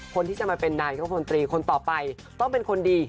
คนที่จะมาเป็นนายกมนตรีคนต่อไปต้องเป็นคนดี